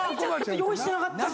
用意してなかったっす。